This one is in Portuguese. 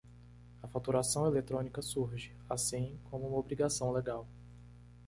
A faturação eletrónica surge, assim, como uma obrigação legal.